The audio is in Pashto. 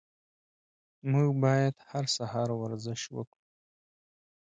موږ باید هر سهار ورزش وکړو.